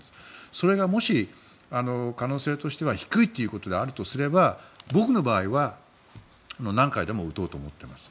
それがもし、可能性としては低いということであるとすれば僕の場合は何回でも打とうと思ってます。